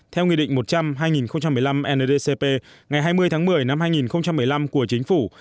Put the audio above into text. theo nghị định một trăm linh hai nghìn một mươi năm ndcp ngày hai mươi tháng một mươi năm hai nghìn một mươi năm của chính phủ